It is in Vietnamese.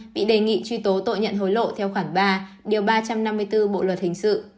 bị đề nghị truy tố tội nhận hối lộ theo khoảng ba điều ba trăm năm mươi bốn bộ luật hình sự